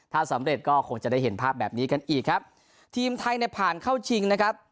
ถ้าสำเร็จก็คงจะได้เห็นภาพแบบนี้กันอีกครับทีมไทยเนี่ยผ่านเข้าชิงนะครับ